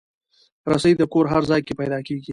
رسۍ د کور هر ځای کې پیدا کېږي.